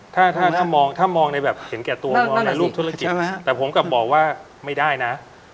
ถ้าถ้ามองถ้ามองในแบบเห็นแก่ตัวมองในรูปธุรกิจแต่ผมกลับบอกว่าไม่ได้นะ